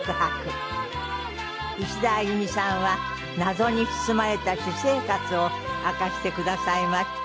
いしだあゆみさんは謎に包まれた私生活を明かしてくださいました。